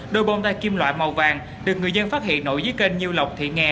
đôi bông tay kim loại màu vàng được người dân phát hiện nổi dưới cây nhiêu lọc thị nghè